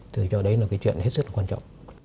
tôi cho đấy là chuyện hết sức quan trọng